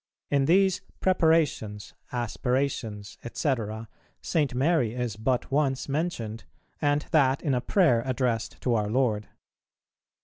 In these "Preparations," "Aspirations," &c., St. Mary is but once mentioned, and that in a prayer addressed to our Lord.